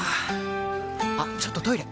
あっちょっとトイレ！